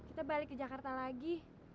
kita balik ke jakarta lagi